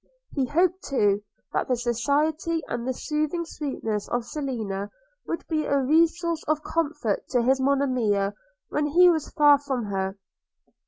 He hoped too, that the society and the soothing sweetness of Selina would be a resource of comfort to his Monimia when he was far from her.